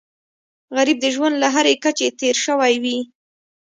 غریب د ژوند له هرې کچې تېر شوی وي